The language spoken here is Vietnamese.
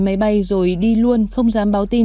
máy bay rồi đi luôn không dám báo tin